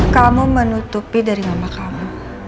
kamu menutupi dari nama kamu